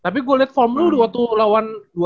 tapi gua liat form lu waktu lawan